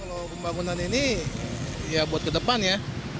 kalau pembangunan ini ya buat ke depan ya